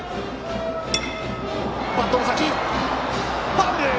ファウル！